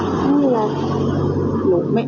นี่แหละ